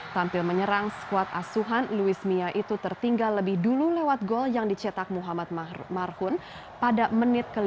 tampil menyerang skuad asuhan luis mia itu tertinggal lebih dulu lewat gol yang dicetak muhammad marhun pada menit ke lima puluh